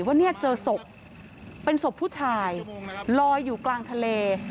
ว่าเนี่ยเจอศพเป็นศพผู้ชายลอยอยู่กลางทะเล